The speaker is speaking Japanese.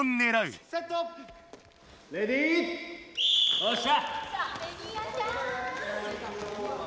よっしゃ！